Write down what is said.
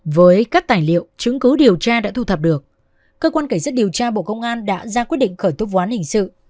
với các tài liệu chứng cứ điều tra đã thu thập được cơ quan cảnh sát điều tra bộ công an đã ra quyết định khởi tố vụ án hình sự